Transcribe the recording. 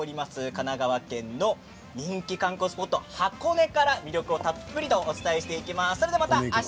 神奈川県の人気観光スポット箱根から魅力をたっぷりとお伝えしていきます。